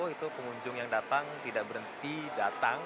itu pengunjung yang datang tidak berhenti datang